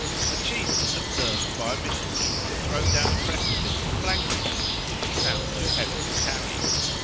A chief was observed by a missionary to throw down a precipice a blanket which he found too heavy to carry.